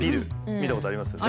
見たことありますよね。